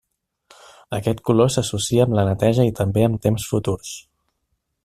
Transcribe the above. Aquest color s'associa amb la neteja i també amb temps futurs.